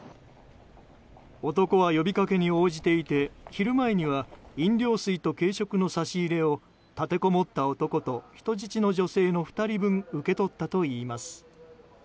男は呼びかけに応じていて昼前には飲料水と軽食の差し入れを立てこもった男と人質の女性の２人分、受け取ったといいます。